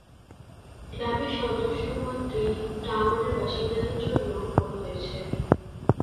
ক্লাবের সদস্য পদ এই টাওয়ারের বাসিন্দাদের জন্যও করা হয়েছে।